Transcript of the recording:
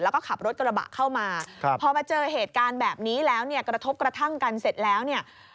แล้วก็ขับรถกระบะเข้ามาพอมาเจอเหตุการณ์แบบนี้แล้วเนี่ยกระทบกระทั่งกันเสร็จแล้วเนี่ย